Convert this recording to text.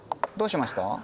どうしました？